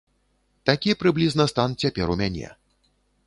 Такі прыблізна стан цяпер у мяне.